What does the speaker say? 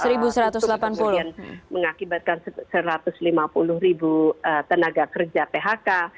kemudian mengakibatkan satu ratus lima puluh ribu tenaga kerja phk